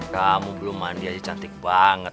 kamu belum mandi aja cantik banget